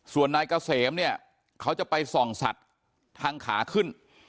ส่วนนายเกษมเนี่ยเขาจะไปส่องสัตว์ทางขาขึ้น